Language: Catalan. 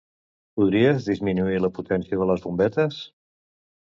Podries disminuir la potència de les bombetes?